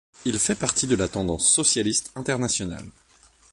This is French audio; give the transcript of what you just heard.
Il fait partie de la Tendance Socialiste Internationale.